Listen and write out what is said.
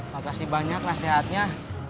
makasih banyak nasihatnya